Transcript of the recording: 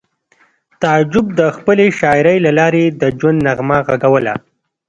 تعجب د خپلې شاعرۍ له لارې د ژوند نغمه غږوله